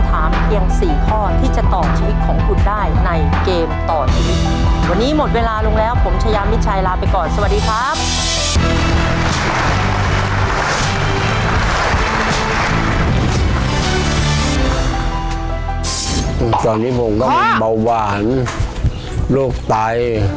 ตอนนี้ผมต้องเบาหวานโรคไต